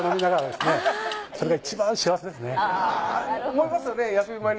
思いますよね。